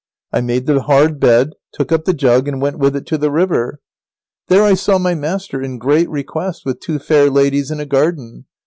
I made the hard bed, took up the jug and went with it to the river. There I saw my master in great request with two fair ladies in a garden.